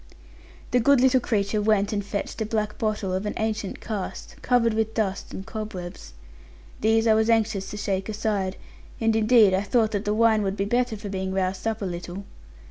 The good little creature went and fetched a black bottle of an ancient cast, covered with dust and cobwebs. These I was anxious to shake aside; and indeed I thought that the wine would be better for being roused up a little.